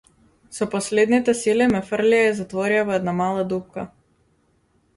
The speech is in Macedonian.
Со последните сили ме фрлија и затворија во една мала дупка.